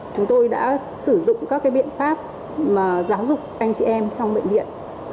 chúng tôi đã sử dụng các biện pháp mà giáo dục anh chị em trong bệnh viện